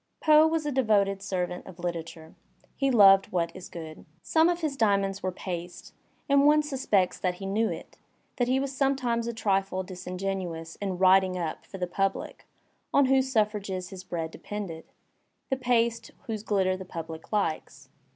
Poe was a devoted servant of literatiu^. He loved what is good. Some of his diamonds were paste, and one sus pects that he knew it, that he was sometimes a trifle disin genuous in "writing up" for the public, on whose suffrages his bread depended, the paste whose gUtter the pubUe likes.